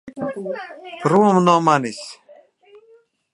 Prom no manis!